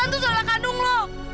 aksan tuh saudara kandung lo